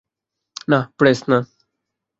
না, প্রেস না।